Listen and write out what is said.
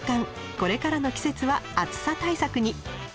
これからの季節は暑さ対策に。